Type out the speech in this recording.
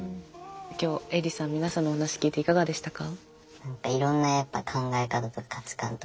今日エイジさん皆さんのお話聞いていかがでしたか？